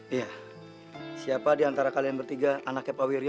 iya siapa diantara kalian bertiga anaknya pak wirjo